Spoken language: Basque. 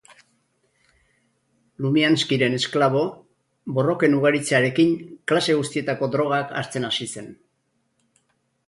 Lumianskyren esklabo, borroken ugaritzearekin, klase guztietako drogak hartzen hasi zen.